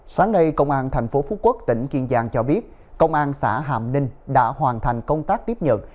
sáng nay công an thành phố phú quốc tỉnh kiên giang cho biết công an xã hạm ninh đã hoàn thành công tác tiếp nhận